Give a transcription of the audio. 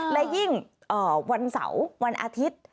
และยิ่งวันเสาร์วันอาทิตย์